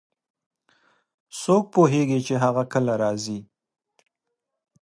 څوک پوهیږي چې هغه کله راځي